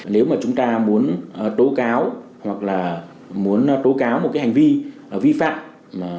nếu mà chúng ta muốn tố cáo hoặc là muốn tố cáo một cái hành vi vi phạm